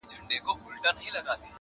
تور یې خپور کړ په ګوښه کي غلی غلی -